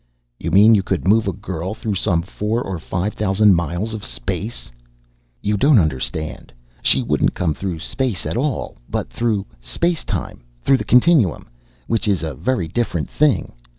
"You mean you could move a girl through some four or five thousand miles of space!" "You don't understand. She wouldn't come through space at all, but through space time, through the continuum, which is a very different thing.